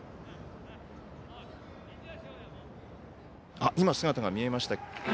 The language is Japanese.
あっ今姿が見えました。